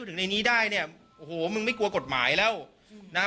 ถึงในนี้ได้เนี่ยโอ้โหมึงไม่กลัวกฎหมายแล้วนะ